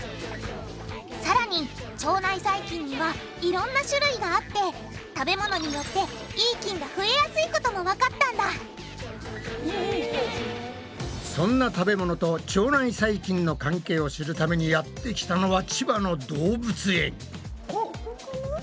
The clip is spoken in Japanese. さらに腸内細菌にはいろんな種類があって食べ物によっていい菌が増えやすいこともわかったんだそんな食べ物と腸内細菌の関係を知るためにやってきたのは千葉の動物園。